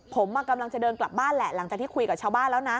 ผมกำลังจะเดินกลับบ้านแหละหลังจากที่คุยกับชาวบ้านแล้วนะ